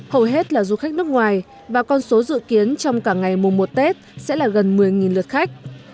hầu hết là du khách nước ngoài và con số dự kiến trong cả ngày mùng một tết sẽ là gần một mươi lượt khách